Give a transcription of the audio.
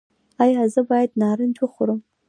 ایا زه باید نارنج وخورم؟